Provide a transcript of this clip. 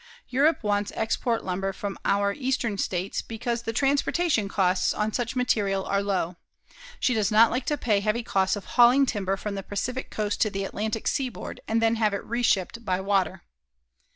Europe wants export lumber from our eastern states because the transportation costs on such material are low. She does not like to pay heavy costs of hauling timber from the Pacific Coast to the Atlantic seaboard and then have it reshipped by water.